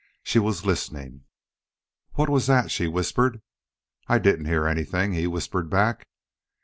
She was listening. "What was that?" she whispered. "I didn't hear anything," he whispered back.